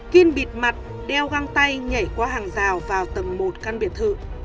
kiên bịt mặt đeo găng tay nhảy qua hàng rào vào tầng một căn biệt thự